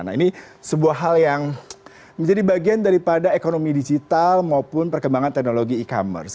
nah ini sebuah hal yang menjadi bagian daripada ekonomi digital maupun perkembangan teknologi e commerce